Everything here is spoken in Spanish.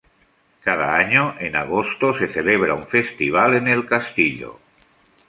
Cada año, en agosto se celebra un festival en el castillo.